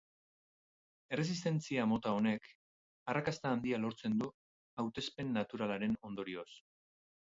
Erresistentzia mota honek arrakasta handia lortzen du hautespen naturalaren ondorioz.